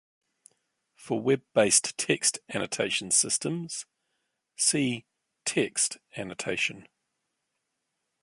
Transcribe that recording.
For Web-based text annotation systems, see Text annotation.